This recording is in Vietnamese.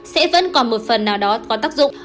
sẽ vẫn còn một phần nào đó có tác dụng